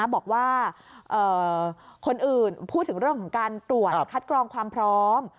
บอกว่าคนอื่นพูดถึงเรื่องของการตรวจคัดกรองความพร้อม